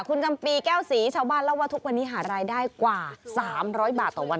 คุณจำปีแก้วศรีชาวบ้านเล่าว่าทุกวันนี้หารายได้กว่า๓๐๐บาทต่อวัน